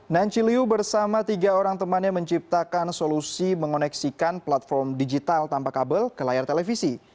nan chiliu bersama tiga orang temannya menciptakan solusi mengoneksikan platform digital tanpa kabel ke layar televisi